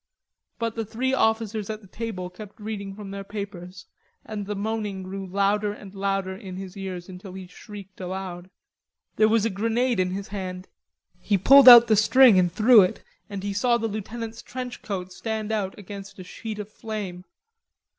But the three officers at the table kept reading from their papers, and the moaning grew louder and louder in his ears until he shrieked aloud. There was a grenade in his hand. He pulled the string out and threw it, and he saw the lieutenant's trench coat stand out against a sheet of flame.